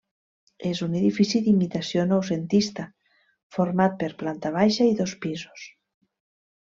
És un edifici d'imitació noucentista format per planta baixa i dos pisos.